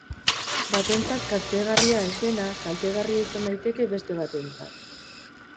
Batentzat kaltegarria ez dena, kaltegarria izan daiteke beste batentzat.